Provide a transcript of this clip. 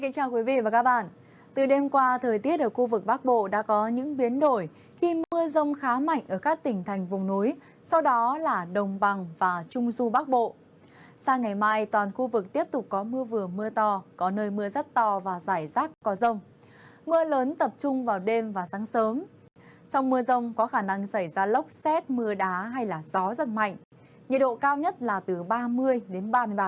chào mừng quý vị đến với bộ phim hãy nhớ like share và đăng ký kênh của chúng mình nhé